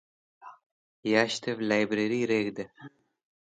Yashtev Librari Reg̃hde